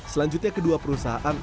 selanjutnya kedua perusahaan